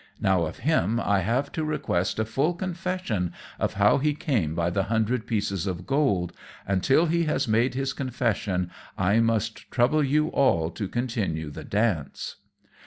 Now, of him I have to request a full confession of how he came by the hundred pieces of gold; and till he has made this confession I must trouble you all to continue the dance."